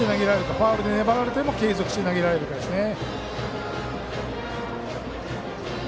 ファウルで粘られても継続して投げられるかですね。